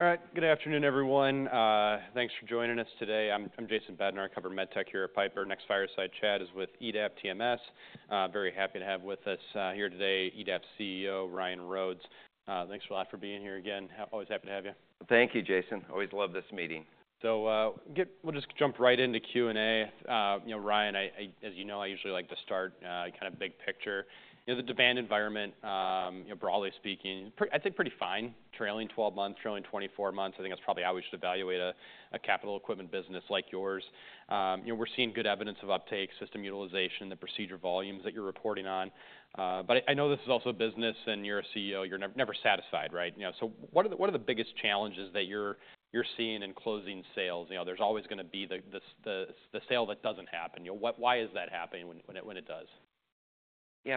All right. Good afternoon, everyone. Thanks for joining us today. I'm Jason Bednar. I cover med tech here at Piper. Next fireside chat is with EDAP TMS. Very happy to have with us here today EDAP CEO Ryan Rhodes. Thanks a lot for being here again. Always happy to have you. Thank you, Jason. Always love this meeting. So we'll just jump right into Q&A. Ryan, as you know, I usually like to start kind of big picture. The demand environment, broadly speaking, I think pretty fine. Trailing 12 months, trailing 24 months, I think that's probably how we should evaluate a capital equipment business like yours. We're seeing good evidence of uptake, system utilization, the procedure volumes that you're reporting on. But I know this is also a business, and you're a CEO. You're never satisfied, right? So what are the biggest challenges that you're seeing in closing sales? There's always going to be the sale that doesn't happen. Why is that happening when it does? Yeah.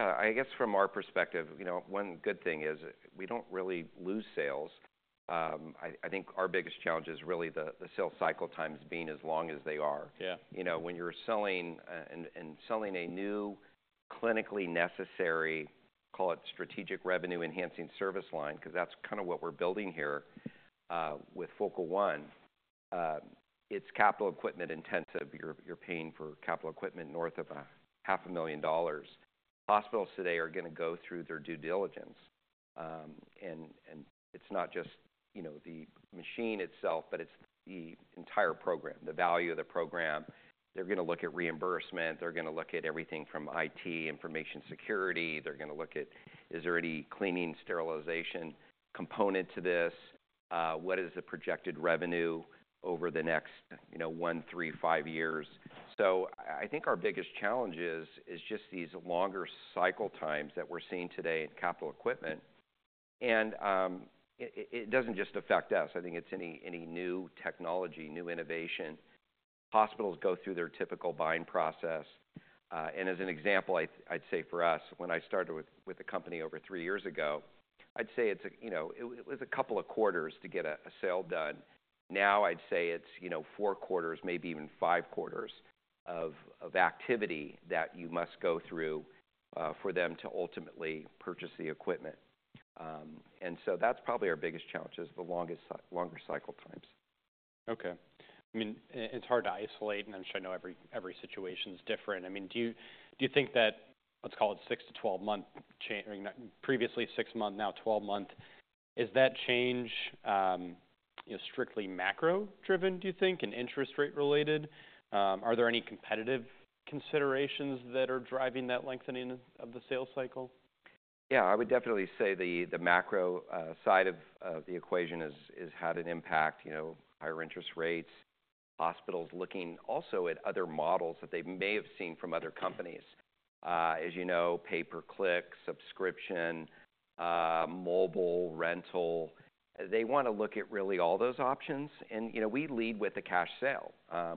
I guess from our perspective, one good thing is we don't really lose sales. I think our biggest challenge is really the sales cycle times being as long as they are. When you're selling a new clinically necessary, call it strategic revenue enhancing service line, because that's kind of what we're building here with Focal One, it's capital equipment intensive. You're paying for capital equipment north of $500,000. Hospitals today are going to go through their due diligence, and it's not just the machine itself, but it's the entire program, the value of the program. They're going to look at reimbursement. They're going to look at everything from IT, information security. They're going to look at, is there any cleaning sterilization component to this? What is the projected revenue over the next one, three, five years? So I think our biggest challenge is just these longer cycle times that we're seeing today in capital equipment. And it doesn't just affect us. I think it's any new technology, new innovation. Hospitals go through their typical buying process. And as an example, I'd say for us, when I started with the company over three years ago, I'd say it was a couple of quarters to get a sale done. Now I'd say it's four quarters, maybe even five quarters of activity that you must go through for them to ultimately purchase the equipment. And so that's probably our biggest challenge is the longer cycle times. Okay. I mean, it's hard to isolate, and I'm sure I know every situation is different. I mean, do you think that, let's call it 6- to 12-month, previously 6-month, now 12-month, is that change strictly macro driven, do you think, and interest rate related? Are there any competitive considerations that are driving that lengthening of the sales cycle? Yeah. I would definitely say the macro side of the equation has had an impact, higher interest rates, hospitals looking also at other models that they may have seen from other companies. As you know, pay per click, subscription, mobile, rental. They want to look at really all those options. And we lead with the cash sale.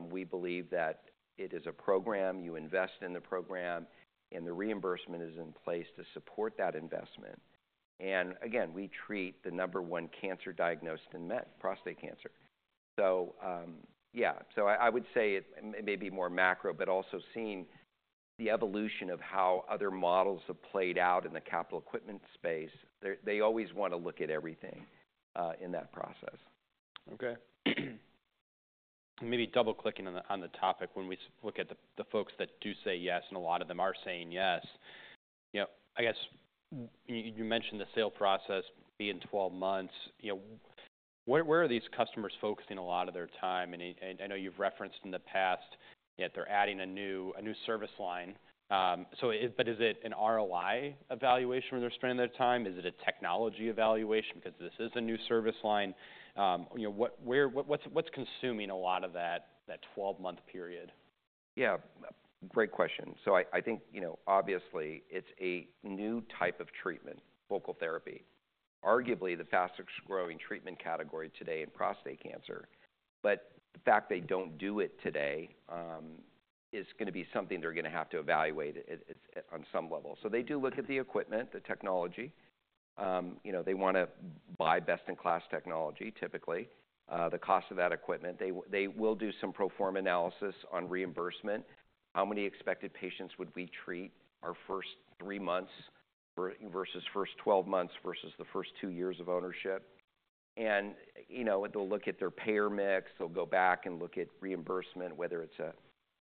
We believe that it is a program. You invest in the program, and the reimbursement is in place to support that investment. And again, we treat the number one cancer diagnosed in men, prostate cancer. So yeah. So I would say it may be more macro, but also seeing the evolution of how other models have played out in the capital equipment space, they always want to look at everything in that process. Okay. Maybe double clicking on the topic, when we look at the folks that do say yes, and a lot of them are saying yes, I guess you mentioned the sale process being 12 months. Where are these customers focusing a lot of their time? And I know you've referenced in the past that they're adding a new service line. But is it an ROI evaluation where they're spending their time? Is it a technology evaluation because this is a new service line? What's consuming a lot of that 12-month period? Yeah. Great question. So I think obviously it's a new type of treatment, focal therapy, arguably the fastest growing treatment category today in prostate cancer. But the fact they don't do it today is going to be something they're going to have to evaluate on some level. So they do look at the equipment, the technology. They want to buy best-in-class technology, typically, the cost of that equipment. They will do some pro forma analysis on reimbursement. How many expected patients would we treat our first three months versus first 12 months versus the first two years of ownership? And they'll look at their payer mix. They'll go back and look at reimbursement, whether it's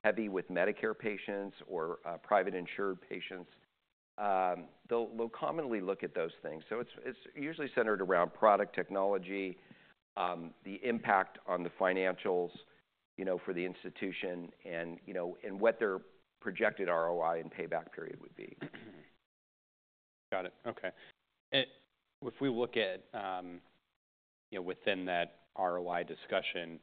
heavy with Medicare patients or private insured patients. They'll commonly look at those things. So it's usually centered around product technology, the impact on the financials for the institution, and what their projected ROI and payback period would be. Got it. Okay. If we look at within that ROI discussion,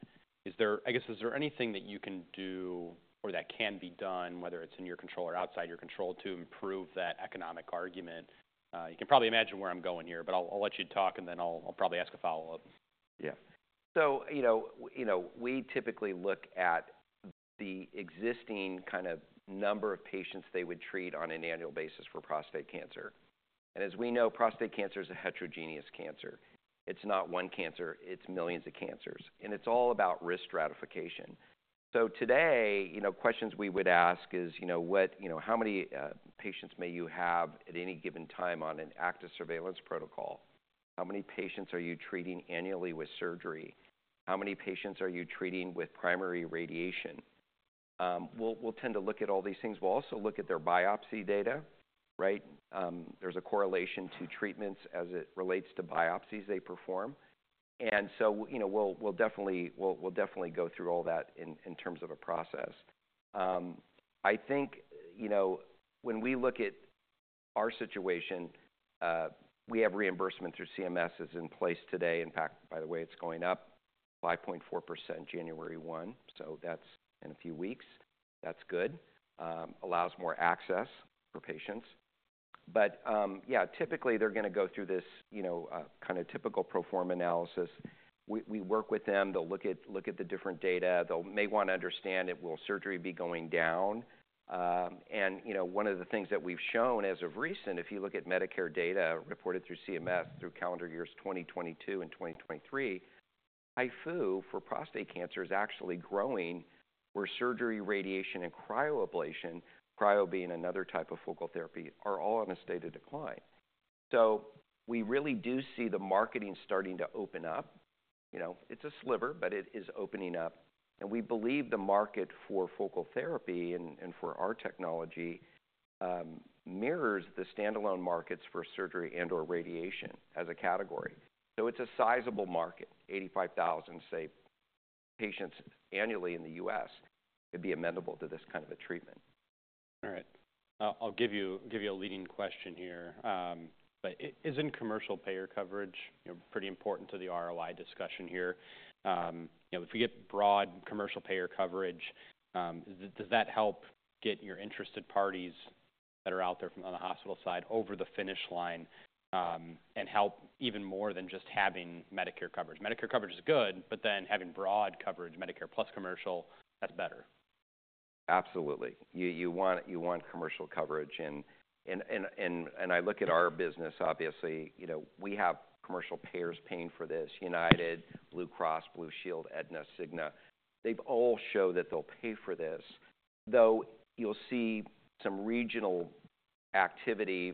I guess is there anything that you can do or that can be done, whether it's in your control or outside your control, to improve that economic argument? You can probably imagine where I'm going here, but I'll let you talk, and then I'll probably ask a follow-up. Yeah. So we typically look at the existing kind of number of patients they would treat on an annual basis for prostate cancer. And as we know, prostate cancer is a heterogeneous cancer. It's not one cancer. It's millions of cancers. And it's all about risk stratification. So today, questions we would ask is, how many patients may you have at any given time on an active surveillance protocol? How many patients are you treating annually with surgery? How many patients are you treating with primary radiation? We'll tend to look at all these things. We'll also look at their biopsy data, right? There's a correlation to treatments as it relates to biopsies they perform. And so we'll definitely go through all that in terms of a process. I think when we look at our situation, we have reimbursement through CMS is in place today. In fact, by the way, it's going up 5.4% January 1. So that's in a few weeks. That's good. Allows more access for patients. But yeah, typically they're going to go through this kind of typical pro forma analysis. We work with them. They'll look at the different data. They may want to understand, will surgery be going down? And one of the things that we've shown as of recent, if you look at Medicare data reported through CMS through calendar years 2022 and 2023, HIFU for prostate cancer is actually growing where surgery, radiation, and cryoablation, cryo being another type of focal therapy, are all in a state of decline. So we really do see the marketing starting to open up. It's a sliver, but it is opening up. We believe the market for focal therapy and for our technology mirrors the standalone markets for surgery and/or radiation as a category. It's a sizable market, 85,000, say, patients annually in the U.S. could be amenable to this kind of a treatment. All right. I'll give you a leading question here. But isn't commercial payer coverage pretty important to the ROI discussion here? If we get broad commercial payer coverage, does that help get your interested parties that are out there from the hospital side over the finish line and help even more than just having Medicare coverage? Medicare coverage is good, but then having broad coverage, Medicare plus commercial, that's better. Absolutely. You want commercial coverage, and I look at our business, obviously. We have commercial payers paying for this: United, Blue Cross Blue Shield, Aetna, Cigna. They've all showed that they'll pay for this. Though you'll see some regional activity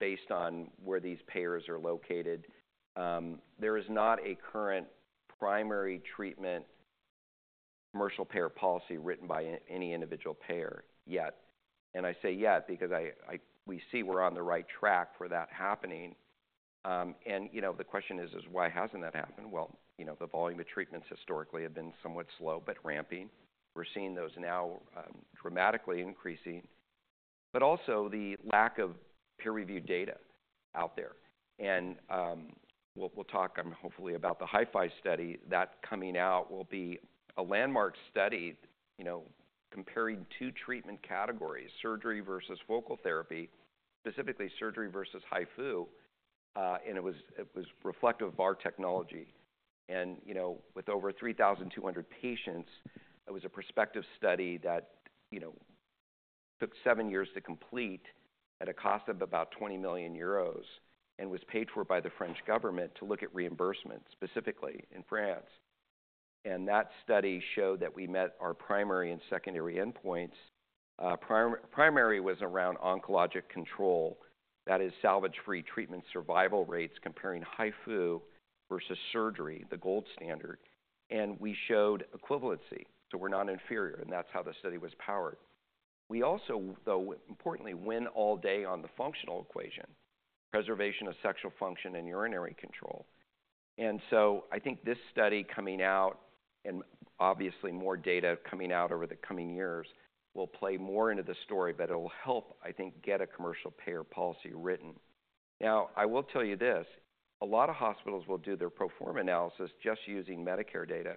based on where these payers are located, there is not a current primary treatment commercial payer policy written by any individual payer yet, and I say yet because we see we're on the right track for that happening. And the question is, why hasn't that happened? Well, the volume of treatments historically have been somewhat slow, but ramping. We're seeing those now dramatically increasing. But also the lack of peer-reviewed data out there, and we'll talk hopefully about the HIFI study. That coming out will be a landmark study comparing two treatment categories, surgery versus focal therapy, specifically surgery versus HIFU, and it was reflective of our technology. With over 3,200 patients, it was a prospective study that took seven years to complete at a cost of about 20 million euros and was paid for by the French government to look at reimbursement specifically in France. That study showed that we met our primary and secondary endpoints. Primary was around oncologic control, that is salvage-free treatment survival rates comparing HIFU versus surgery, the gold standard. We showed equivalency. We're not inferior. That's how the study was powered. We also, though importantly, win all day on the functional equation, preservation of sexual function and urinary control. I think this study coming out and obviously more data coming out over the coming years will play more into the story, but it'll help, I think, get a commercial payer policy written. Now, I will tell you this. A lot of hospitals will do their pro forma analysis just using Medicare data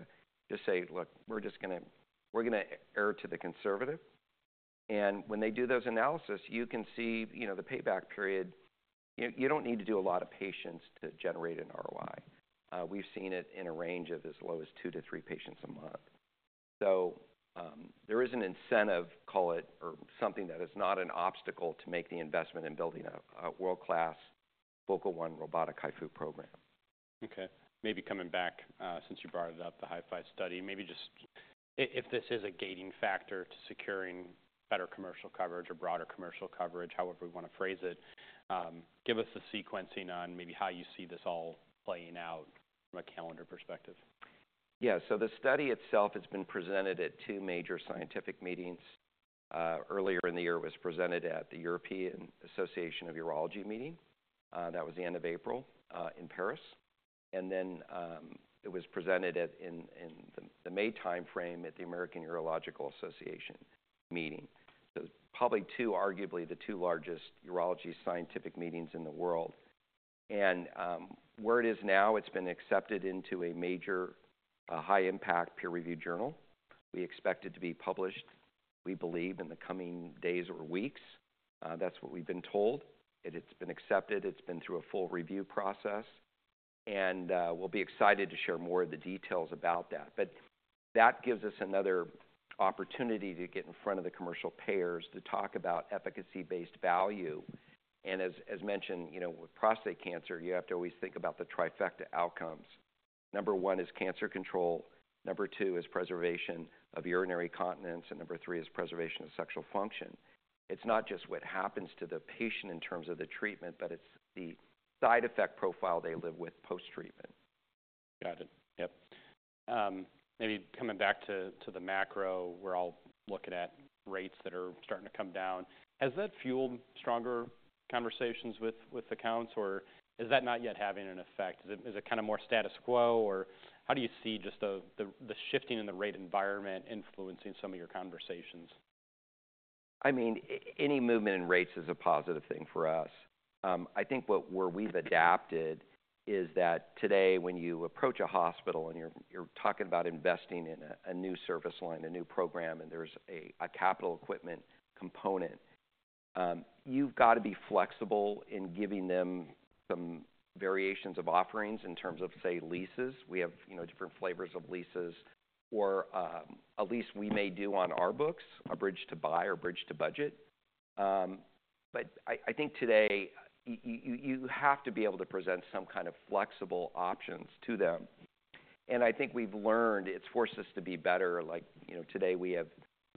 to say, look, we're going to err to the conservative. And when they do those analysis, you can see the payback period. You don't need to do a lot of patients to generate an ROI. We've seen it in a range of as low as two to three patients a month. So there is an incentive, call it, or something that is not an obstacle to make the investment in building a world-class Focal One robotic HIFU program. Okay. Maybe coming back since you brought it up, the HIFI study, maybe just if this is a gating factor to securing better commercial coverage or broader commercial coverage, however we want to phrase it, give us the sequencing on maybe how you see this all playing out from a calendar perspective? Yeah. So the study itself has been presented at two major scientific meetings. Earlier in the year, it was presented at the European Association of Urology meeting. That was the end of April in Paris. And then it was presented in the May timeframe at the American Urological Association meeting. So probably arguably the two largest urology scientific meetings in the world. And where it is now, it's been accepted into a major high-impact peer-reviewed journal. We expect it to be published, we believe, in the coming days or weeks. That's what we've been told. It's been accepted. It's been through a full review process. And we'll be excited to share more of the details about that. But that gives us another opportunity to get in front of the commercial payers to talk about efficacy-based value. As mentioned, with prostate cancer, you have to always think about the Trifecta outcomes. Number one is cancer control. Number two is preservation of urinary continence. And number three is preservation of sexual function. It's not just what happens to the patient in terms of the treatment, but it's the side effect profile they live with post-treatment. Got it. Yep. Maybe coming back to the macro, we're all looking at rates that are starting to come down. Has that fueled stronger conversations with accounts, or is that not yet having an effect? Is it kind of more status quo, or how do you see just the shifting in the rate environment influencing some of your conversations? I mean, any movement in rates is a positive thing for us. I think where we've adapted is that today when you approach a hospital and you're talking about investing in a new service line, a new program, and there's a capital equipment component, you've got to be flexible in giving them some variations of offerings in terms of, say, leases. We have different flavors of leases, or a lease we may do on our books, a bridge to buy or bridge to budget. But I think today you have to be able to present some kind of flexible options to them. And I think we've learned it's forced us to be better. Like today, we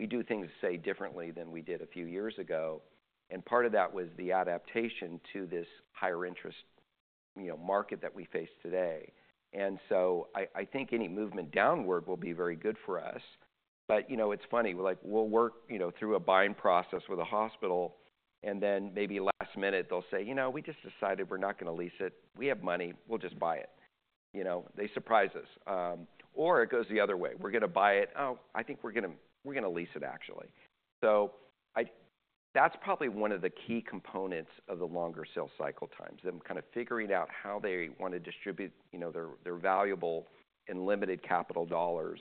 do things, say, differently than we did a few years ago. And part of that was the adaptation to this higher interest market that we face today. And so I think any movement downward will be very good for us. But it's funny. We'll work through a buying process with a hospital, and then maybe last minute they'll say, you know, we just decided we're not going to lease it. We have money. We'll just buy it. They surprise us. Or it goes the other way. We're going to buy it. Oh, I think we're going to lease it, actually. So that's probably one of the key components of the longer sale cycle times, them kind of figuring out how they want to distribute their valuable and limited capital dollars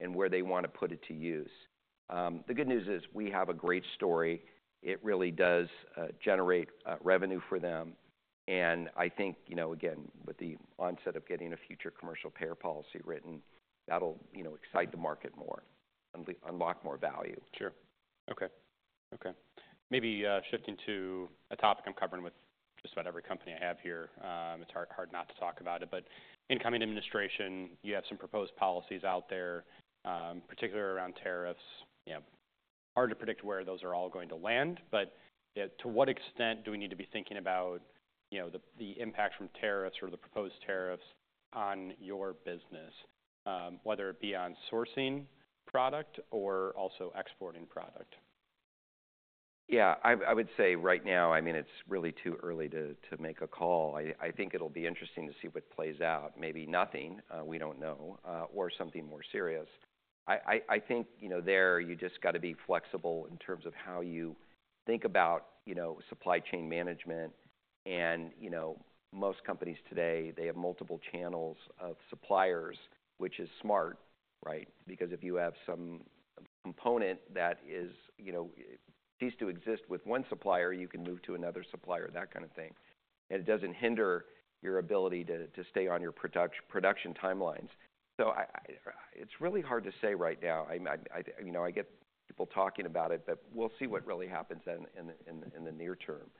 and where they want to put it to use. The good news is we have a great story. It really does generate revenue for them. I think, again, with the onset of getting a future commercial payer policy written, that'll excite the market more, unlock more value. Sure. Okay. Maybe shifting to a topic I'm covering with just about every company I have here. It's hard not to talk about it. But incoming administration, you have some proposed policies out there, particularly around tariffs. Hard to predict where those are all going to land, but to what extent do we need to be thinking about the impact from tariffs or the proposed tariffs on your business, whether it be on sourcing product or also exporting product? Yeah. I would say right now, I mean, it's really too early to make a call. I think it'll be interesting to see what plays out. Maybe nothing. We don't know. Or something more serious. I think there you just got to be flexible in terms of how you think about supply chain management. And most companies today, they have multiple channels of suppliers, which is smart, right? Because if you have some component that ceased to exist with one supplier, you can move to another supplier, that kind of thing. And it doesn't hinder your ability to stay on your production timelines. So it's really hard to say right now. I get people talking about it, but we'll see what really happens in the near term,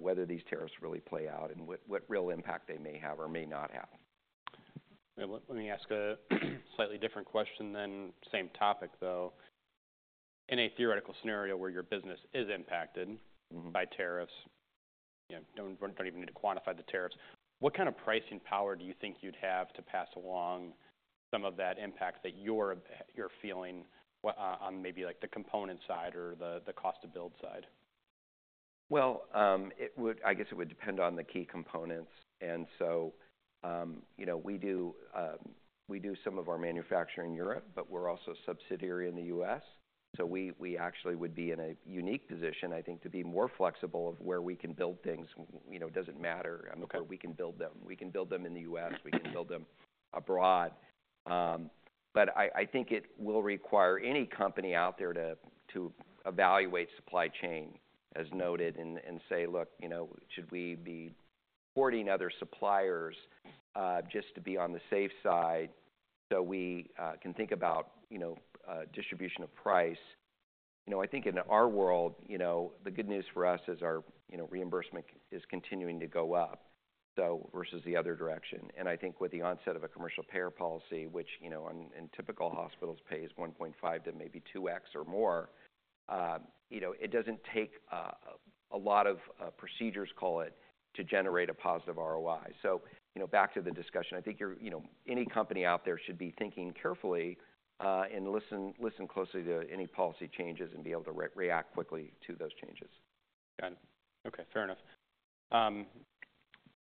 whether these tariffs really play out and what real impact they may have or may not have. Let me ask a slightly different question then, same topic, though. In a theoretical scenario where your business is impacted by tariffs, don't even need to quantify the tariffs, what kind of pricing power do you think you'd have to pass along some of that impact that you're feeling on maybe the component side or the cost-to-build side? I guess it would depend on the key components. We do some of our manufacturing in Europe, but we're also a subsidiary in the U.S. We actually would be in a unique position, I think, to be more flexible of where we can build things. It doesn't matter where we can build them. We can build them in the U.S. We can build them abroad. I think it will require any company out there to evaluate supply chain, as noted, and say, look, should we be courting other suppliers just to be on the safe side so we can think about distribution of price? I think in our world, the good news for us is our reimbursement is continuing to go up versus the other direction. I think with the onset of a commercial payer policy, which in typical hospitals pays 1.5 to maybe 2x or more, it doesn't take a lot of procedures, call it, to generate a positive ROI. Back to the discussion, I think any company out there should be thinking carefully and listen closely to any policy changes and be able to react quickly to those changes. Got it. Okay. Fair enough.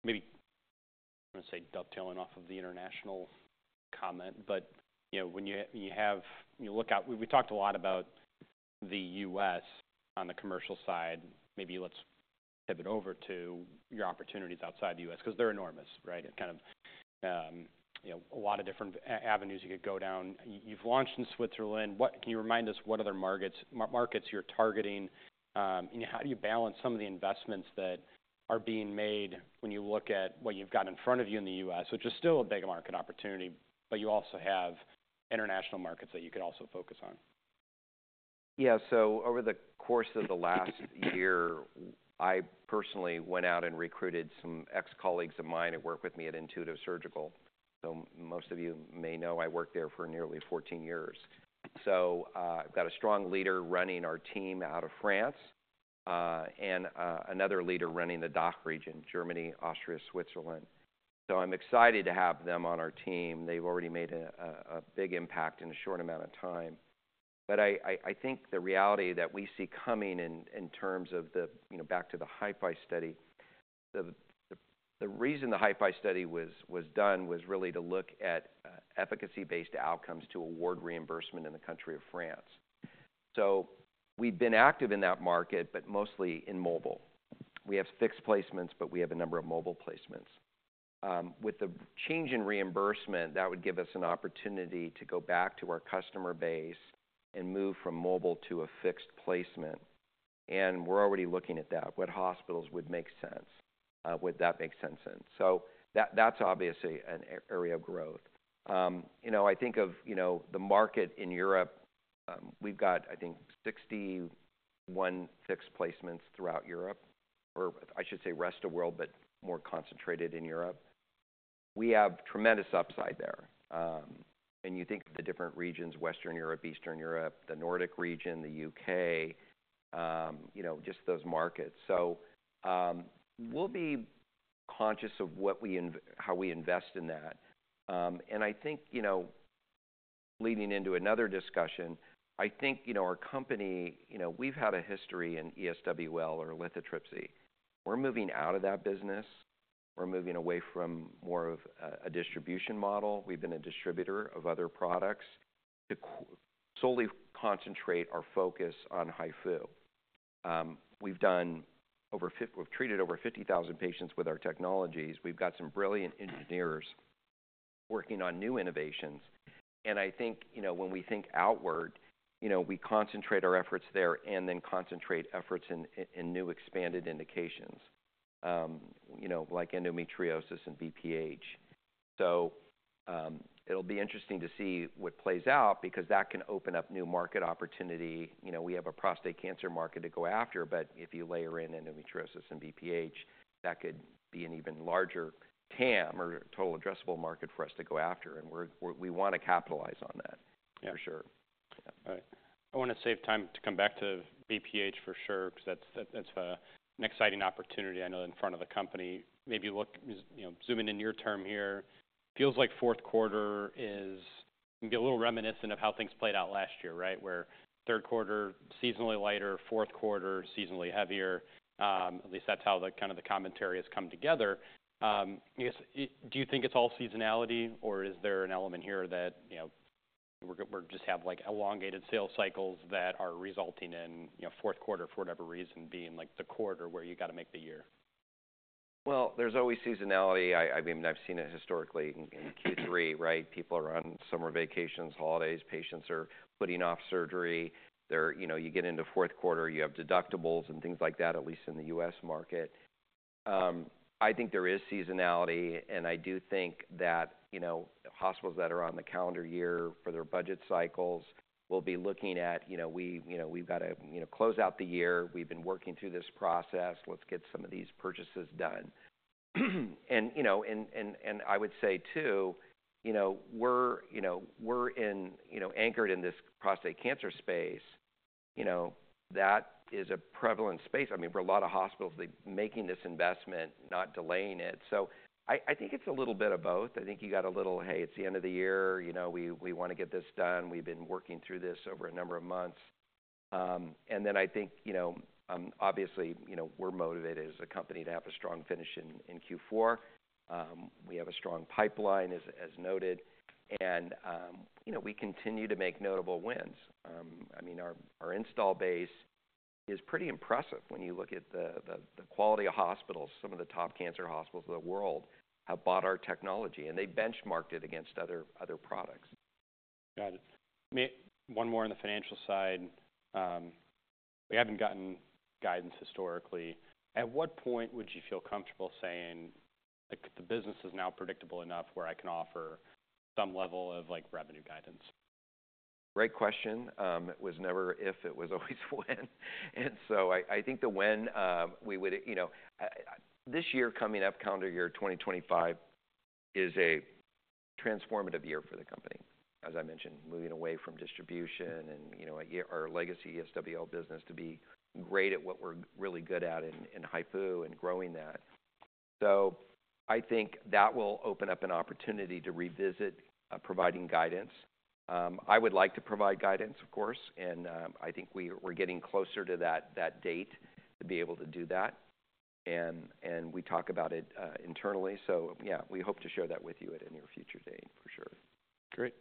Maybe I'm going to say dovetailing off of the international comment, but when you look out, we talked a lot about the U.S. on the commercial side. Maybe let's pivot over to your opportunities outside the U.S. because they're enormous, right? Kind of a lot of different avenues you could go down. You've launched in Switzerland. Can you remind us what other markets you're targeting? How do you balance some of the investments that are being made when you look at what you've got in front of you in the U.S., which is still a big market opportunity, but you also have international markets that you could also focus on? Yeah. So over the course of the last year, I personally went out and recruited some ex-colleagues of mine who work with me at Intuitive Surgical. So most of you may know I worked there for nearly 14 years. So I've got a strong leader running our team out of France and another leader running the DACH region, Germany, Austria, Switzerland. So I'm excited to have them on our team. They've already made a big impact in a short amount of time. But I think the reality that we see coming in terms of back to the HIFI study, the reason the HIFI study was done was really to look at efficacy-based outcomes to award reimbursement in the country of France. So we've been active in that market, but mostly in mobile. We have fixed placements, but we have a number of mobile placements. With the change in reimbursement, that would give us an opportunity to go back to our customer base and move from mobile to a fixed placement. And we're already looking at that. What hospitals would make sense? Would that make sense in? So that's obviously an area of growth. I think of the market in Europe. We've got, I think, 61 fixed placements throughout Europe, or I should say rest of the world, but more concentrated in Europe. We have tremendous upside there. And you think of the different regions, Western Europe, Eastern Europe, the Nordic region, the UK, just those markets. So we'll be conscious of how we invest in that. And I think leading into another discussion, I think our company, we've had a history in ESWL or lithotripsy. We're moving out of that business. We're moving away from more of a distribution model. We've been a distributor of other products to solely concentrate our focus on HIFU. We've treated over 50,000 patients with our technologies. We've got some brilliant engineers working on new innovations. And I think when we think outward, we concentrate our efforts there and then concentrate efforts in new expanded indications like endometriosis and BPH. So it'll be interesting to see what plays out because that can open up new market opportunity. We have a prostate cancer market to go after, but if you layer in endometriosis and BPH, that could be an even larger TAM or total addressable market for us to go after. And we want to capitalize on that, for sure. All right. I want to save time to come back to BPH for sure because that's an exciting opportunity, I know, in front of the company. Maybe zooming in near term here, feels like fourth quarter is a little reminiscent of how things played out last year, right? Where third quarter seasonally lighter, fourth quarter seasonally heavier. At least that's how kind of the commentary has come together. Do you think it's all seasonality, or is there an element here that we just have elongated sales cycles that are resulting in fourth quarter, for whatever reason, being the quarter where you got to make the year? There's always seasonality. I mean, I've seen it historically in Q3, right? People are on summer vacations, holidays. Patients are putting off surgery. You get into fourth quarter, you have deductibles and things like that, at least in the U.S. market. I think there is seasonality, and I do think that hospitals that are on the calendar year for their budget cycles will be looking at, we've got to close out the year. We've been working through this process. Let's get some of these purchases done, and I would say too, we're anchored in this prostate cancer space. That is a prevalent space. I mean, for a lot of hospitals, they're making this investment, not delaying it, so I think it's a little bit of both. I think you got a little, hey, it's the end of the year. We want to get this done. We've been working through this over a number of months, and then I think, obviously, we're motivated as a company to have a strong finish in Q4. We have a strong pipeline, as noted, and we continue to make notable wins. I mean, our install base is pretty impressive when you look at the quality of hospitals, some of the top cancer hospitals in the world have bought our technology, and they benchmarked it against other products. Got it. One more on the financial side. We haven't gotten guidance historically. At what point would you feel comfortable saying the business is now predictable enough where I can offer some level of revenue guidance? Great question. It was never if. It was always when. And so I think the when we would this year coming up, calendar year 2025, is a transformative year for the company, as I mentioned, moving away from distribution and our legacy ESWL business to be great at what we're really good at in HIFU and growing that. So I think that will open up an opportunity to revisit providing guidance. I would like to provide guidance, of course. And I think we're getting closer to that date to be able to do that. And we talk about it internally. So yeah, we hope to share that with you at a near future date, for sure. Great.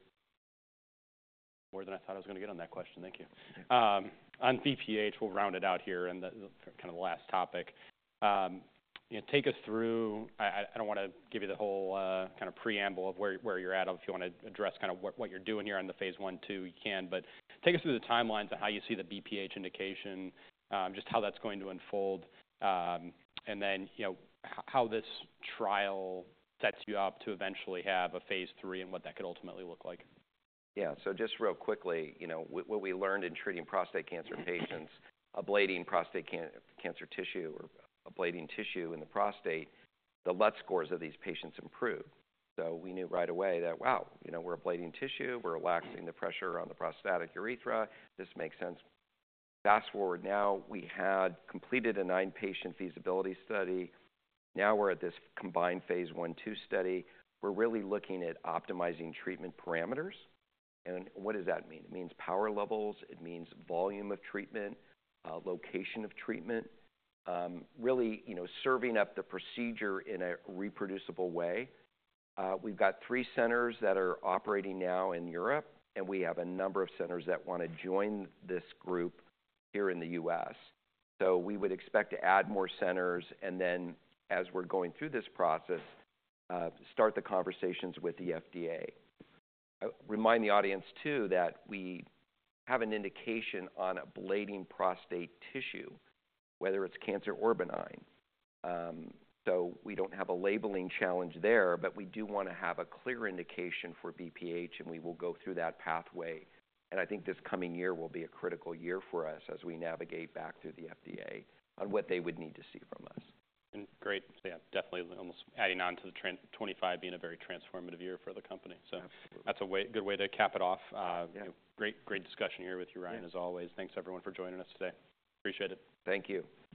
More than I thought I was going to get on that question. Thank you. On BPH, we'll round it out here and kind of the last topic. Take us through. I don't want to give you the whole kind of preamble of where you're at. If you want to address kind of what you're doing here on the phase one, two, you can. But take us through the timelines of how you see the BPH indication, just how that's going to unfold, and then how this trial sets you up to eventually have a phase three and what that could ultimately look like. Yeah, so just real quickly, what we learned in treating prostate cancer patients, ablating prostate cancer tissue or ablating tissue in the prostate, the LUT scores of these patients improved, so we knew right away that, wow, we're ablating tissue. We're relaxing the pressure on the prostatic urethra. This makes sense. Fast forward now, we had completed a nine-patient feasibility study. Now we're at this combined phase one, two study. We're really looking at optimizing treatment parameters, and what does that mean? It means power levels. It means volume of treatment, location of treatment, really serving up the procedure in a reproducible way. We've got three centers that are operating now in Europe, and we have a number of centers that want to join this group here in the U.S. So we would expect to add more centers and then, as we're going through this process, start the conversations with the FDA. Remind the audience too that we have an indication on ablating prostate tissue, whether it's cancer or benign. So we don't have a labeling challenge there, but we do want to have a clear indication for BPH, and we will go through that pathway. And I think this coming year will be a critical year for us as we navigate back through the FDA on what they would need to see from us. Great. Yeah, definitely almost adding on to the trend, 2025 being a very transformative year for the company. So that's a good way to cap it off. Great discussion here with you, Ryan, as always. Thanks, everyone, for joining us today. Appreciate it. Thank you.